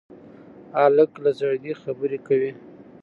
هلک له زړګي خبرې کوي.